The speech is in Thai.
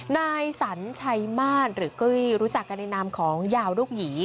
นายสัญชัยมาตรหรือกุ้ยรู้จักกันในนามของยาวลูกหยี